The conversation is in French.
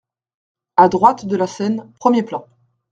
A droite de la scène, premier plan.